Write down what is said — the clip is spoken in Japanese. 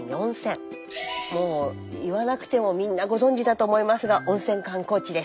もう言わなくてもみんなご存じだと思いますが温泉観光地です。